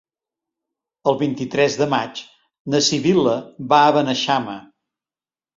El vint-i-tres de maig na Sibil·la va a Beneixama.